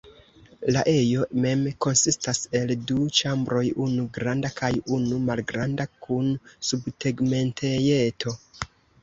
La ejo mem konsistas el du ĉambroj, unu granda kaj unu malgranda kun subtegmentejeto.